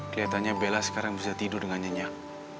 kelihatannya bella sekarang bisa tidur dengan nyenyak